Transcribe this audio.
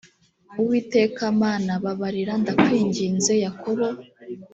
uwiteka mana babarira ndakwinginze yakobo